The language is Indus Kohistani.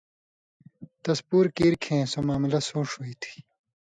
تس پُور کیر کھیں سو معاملہ سُون٘ݜ ہُوئ تھی